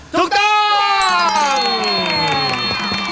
ถูกต้อง